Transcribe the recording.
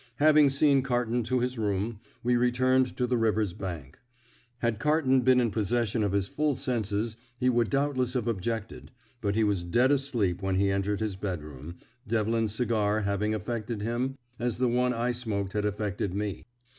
Having seen Carton to his room, we returned to the river's bank. Had Carton been in possession of his full senses he would doubtless have objected, but he was dead asleep when he entered his bedroom, Devlin's cigar having affected him as the one I smoked had affected me.